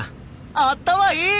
あったまいい！